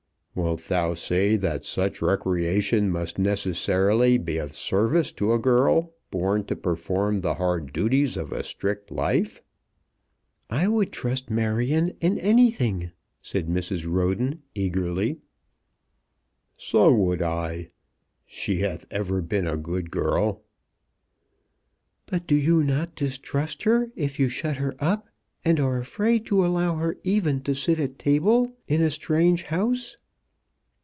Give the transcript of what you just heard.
Wilt thou say that such recreation must necessarily be of service to a girl born to perform the hard duties of a strict life?" "I would trust Marion in anything," said Mrs. Roden, eagerly. "So would I; so would I. She hath ever been a good girl." "But do you not distrust her if you shut her up, and are afraid to allow her even to sit at table in a strange house?"